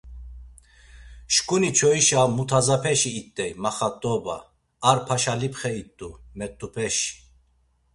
Şǩuni çoyişa a Mutazapeşi it̆ey, Maxat̆oba; ar Paşalipxe it̆u, Met̆upeşi…